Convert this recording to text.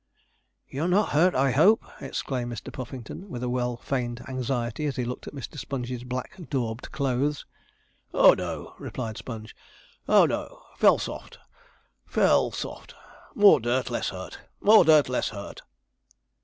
'You're not hurt, I hope?' exclaimed Mr. Puffington, with well feigned anxiety, as he looked at Mr. Sponge's black daubed clothes. 'Oh no!' replied Sponge. 'Oh no! fell soft fell soft. More dirt, less hurt more dirt, less hurt.'